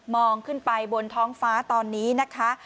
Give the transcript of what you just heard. องขึ้นไปบนท้องฟ้าตอนนี้นะคะ